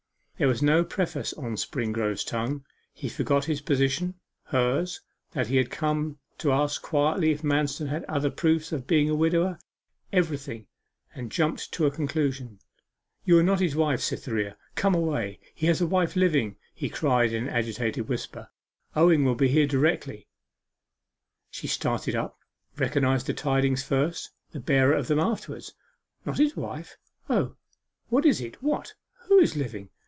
There was no preface on Springrove's tongue; he forgot his position hers that he had come to ask quietly if Manston had other proofs of being a widower everything and jumped to a conclusion. 'You are not his wife, Cytherea come away, he has a wife living!' he cried in an agitated whisper. 'Owen will be here directly.' She started up, recognized the tidings first, the bearer of them afterwards. 'Not his wife? O, what is it what who is living?